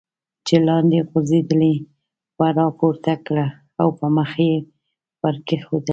چې لاندې غورځېدلې وه را پورته کړل او پر مخ یې ور کېښودل.